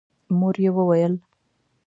مور يې وويل: